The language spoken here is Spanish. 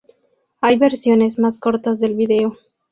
Hay versiones más cortas del video.